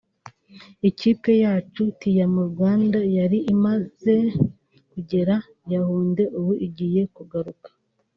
Ikipe yacu (Team Rwanda) yari yamaze kugera Yaounde ubu igiye kugaruka